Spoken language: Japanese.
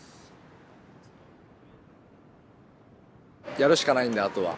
やるしかないんであとは。